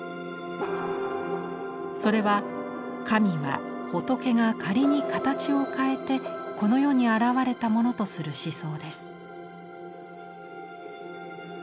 それは神は仏が権に形を変えてこの世に現れたものとする思想です。